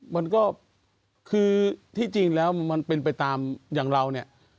มันก็คือที่จริงแล้วมันเป็นไปตามอย่างเราเนี่ย